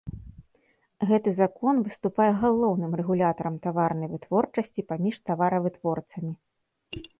Гэты закон выступае галоўным рэгулятарам таварнай вытворчасці, паміж таваравытворцамі.